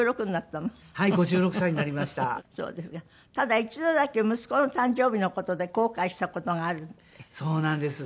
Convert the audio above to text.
ただ一度だけ息子の誕生日の事で後悔した事があるんだって？そうなんです。